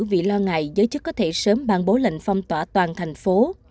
vì lo ngại giới chức có thể sớm ban bố lệnh phong tỏa toàn thành phố